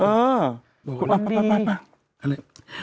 อ๋อเอาเลย